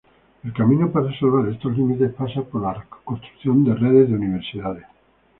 El camino para salvar estos límites pasa por la construcción de Redes de Universidades.